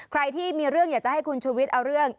ใครที่มีเรื่องอยากจะให้คุณชุวิตเอาเรื่อง